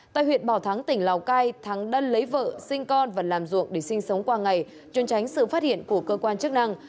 tại huyện bảo thắng tỉnh lào cai thắng đã lấy vợ sinh con và làm ruộng để sinh sống qua ngày trốn tránh sự phát hiện của cơ quan chức năng